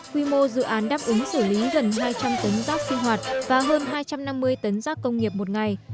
quy mô dự án đáp ứng xử lý gần hai trăm linh tấn rác sinh hoạt và hơn hai trăm năm mươi tấn rác công nghiệp một ngày